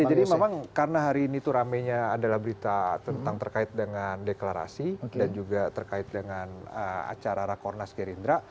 ya jadi memang karena hari ini tuh ramenya adalah berita tentang terkait dengan deklarasi dan juga terkait dengan acara rakornas gerindra